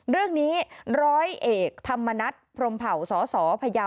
เรื่องนี้ร้อยเอกธรรมนัฐพรมเผ่าสสพยาว